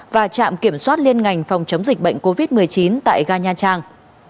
và trạm kiểm soát liên ngành phòng chống dịch bệnh covid một mươi chín tại ga nha trang